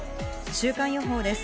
週間予報です。